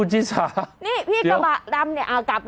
แหละ